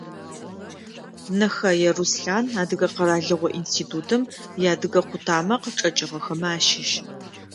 Нэхэе Руслъан, Адыгэ къэралыгъо институтым иадыгэ къутамэ къычӏэкӏыгъэхэмэ ащыщ.